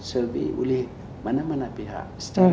selti oleh mana mana pihak